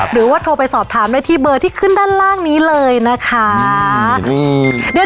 หรือว่าโทรไปสอบถามได้ที่เบอร์ที่ขึ้นด้านล่างนี้เลยนะคะ